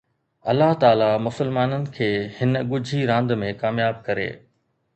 الله تعاليٰ مسلمانن کي هن ڳجهي راند ۾ ڪامياب ڪري